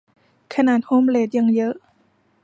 ขนาดโฮมเลสยังเยอะ